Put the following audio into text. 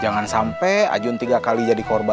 jangan sampai ajun tiga kali jadi korban